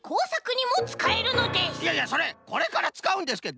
いやいやそれこれからつかうんですけど！